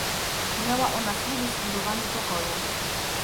miała ona służyć budowaniu pokoju